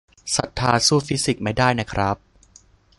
ศรัทธาสู้ฟิสิกส์ไม่ได้นะครับ